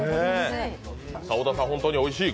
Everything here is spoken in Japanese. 小田さん、これは本当においしい？